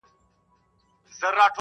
څښتن مي لا هم نه پېژنم -